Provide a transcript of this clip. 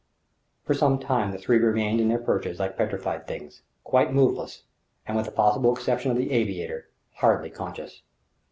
For some time the three remained in their perches like petrified things, quite moveless and with the possible exception of the aviator hardly conscious.